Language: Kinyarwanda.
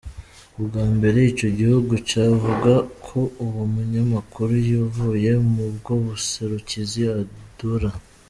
Ubwa mbere ico gihugu cavuga ko uwo munyamakuru yavuye mw'ubwo buserukizi adora.